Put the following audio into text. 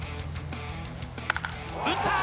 打った！